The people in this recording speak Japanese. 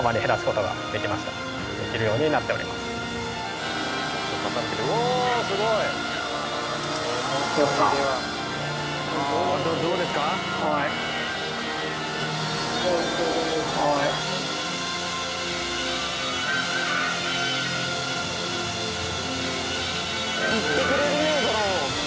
いってくれるね